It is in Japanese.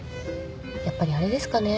やっぱりあれですかね